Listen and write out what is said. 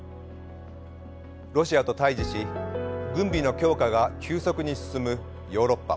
ロシアと対峙し軍備の強化が急速に進むヨーロッパ。